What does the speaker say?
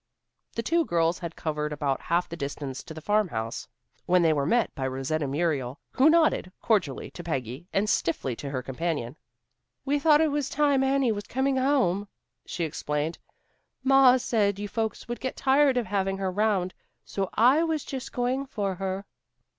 The two girls had covered about half the distance to the farmhouse, when they were met by Rosetta Muriel who nodded, cordially to Peggy, and stiffly to her companion. "We thought it was time Annie was coming home," she explained. "Ma said you folks would get tired having her 'round. So I was just going for her."